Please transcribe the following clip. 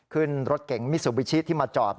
ขึ้นรถเก๋งมิซูบิชิที่มาจอด